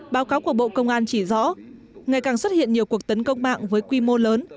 báo cáo của bộ công an chỉ rõ ngày càng xuất hiện nhiều cuộc tấn công mạng với quy mô lớn